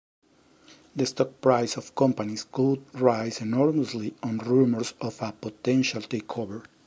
The stock price of companies could rise enormously on rumors of a potential takeover.